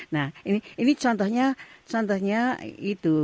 nah ini contohnya itu